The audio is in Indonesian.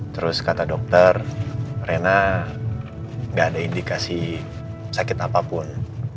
terus kata dokter rena gak ada indikasi sakit apapun